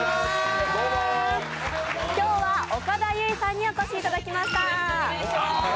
今日は岡田結実さんにお越しいただきました。